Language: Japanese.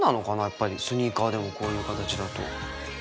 やっぱりスニーカーでもこういう形だと。